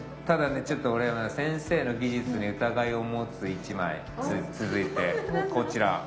ただねちょっと俺は先生の技術に疑いを持つ１枚。続いてこちら。